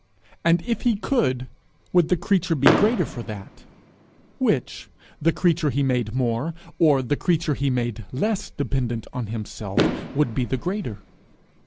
And if he could, would the creature be the greater for that? Which, the creature he made more, or the creature he made less dependent on himself, would be the greater?